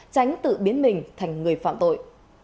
tránh tự biến mình thành người phạm tội